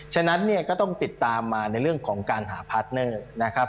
ฉะนั้นเนี่ยก็ต้องติดตามมาในเรื่องของการหาพาร์ทเนอร์นะครับ